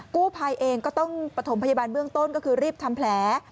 กู้ภัยเองก็ต้องประถมพยาบาลเบื้องต้นก็คือรีบทำแผล